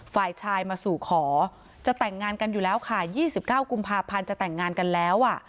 ฝ่ายชายมาสู่ขอจะแต่งงานกันอยู่แล้วค่ะ๒๙กุมภาพันธ์จะแต่งงานกันแล้ว